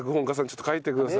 ちょっと書いてください。